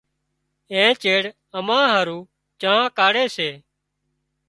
اين چيڙ اَمان هارو چانه ڪاڙهي سي۔